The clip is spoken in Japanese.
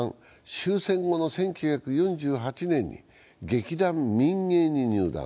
終戦後の１９４８年に劇団民藝に入団。